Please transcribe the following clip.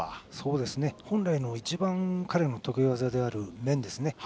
本来の一番彼の得意技の面ですね。